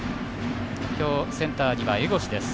今日、センターには江越です。